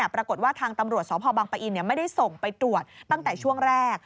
ปรากฏว่าทางตำรวจสพบังปะอินไม่ได้ส่งไปตรวจตั้งแต่ช่วงแรก